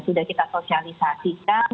sudah kita sosialisasikan